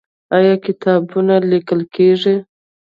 آیا کتابونه لیکل کیږي؟